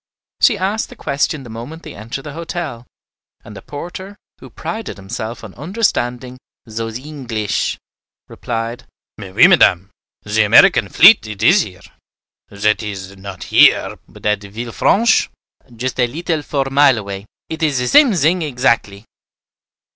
She asked the question the moment they entered the hotel; and the porter, who prided himself on understanding "zose Eenglesh," replied, "Mais oui, Madame, ze Americaine fleet it is here; zat is, not here, but at Villefranche, just a leetle four mile away, it is ze same zing exactly."